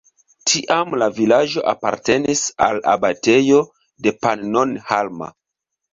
Tiam la vilaĝo apartenis al abatejo de Pannonhalma.